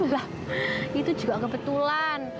lah itu juga kebetulan